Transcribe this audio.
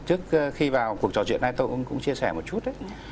trước khi vào cuộc trò chuyện này tôi cũng chia sẻ một chút